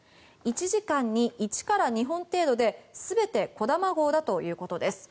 １時間に１から２本程度で全てこだま号だということです。